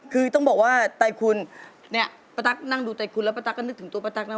คือต้องบอกว่าไตคุณเนี่ยป้าตั๊กนั่งดูใจคุณแล้วป้าตั๊ก็นึกถึงตัวป้าตั๊กนะ